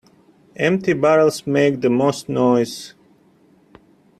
Empty barrels make the most noise.